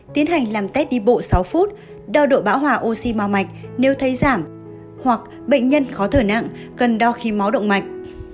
tiến hành làm tét đi bộ sáu phút đo độ bão hòa oxy màu mạch nếu thấy giảm hoặc bệnh nhân khó thở nặng cần đo khí máu động mạch